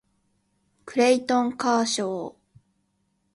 クレイトン・カーショー